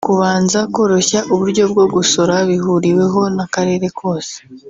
kubanza koroshya uburyo bwo gusora bihuriweho n’akarere kose